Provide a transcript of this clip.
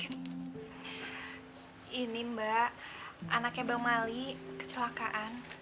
ini mbak anaknya bang mali kecelakaan